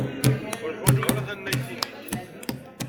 Ur ḥwajeɣ ara tannayt-nnek.